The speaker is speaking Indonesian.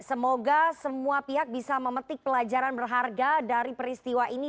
semoga semua pihak bisa memetik pelajaran berharga dari peristiwa ini